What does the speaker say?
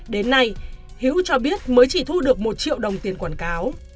đến nay hữu cho biết mới chỉ thu được một triệu đồng tiền quảng cáo